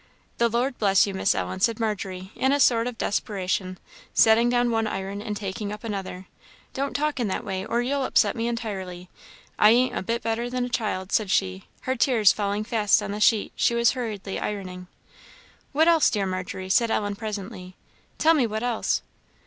"The Lord bless you, Miss Ellen," said Margery, in a sort of desperation, setting down one iron and taking up another; "don't talk in that way, or you'll upset me entirely. I ain't a bit better than a child," said she, her tears falling fast on the sheet she was hurriedly ironing. "What else, dear Margery?" said Ellen presently. "Tell me what else?"